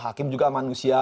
hakim juga manusia